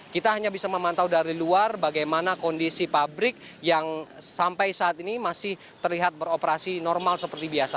kita hanya bisa memantau dari luar bagaimana kondisi pabrik yang sampai saat ini masih terlihat beroperasi normal seperti biasa